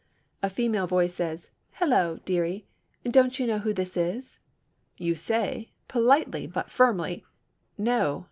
A female voice, says, "Hello, dearie—don't you know who this is?" You say, politely but firmly, "No."